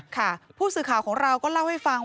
ค่ะผู้สื่อข่าวของเราก็เล่าให้ฟัง